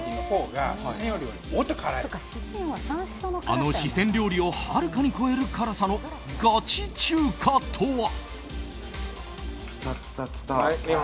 あの四川料理をはるかに超える辛さのガチ中華とは？